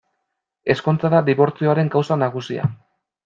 Ezkontza da dibortzioaren kausa nagusia.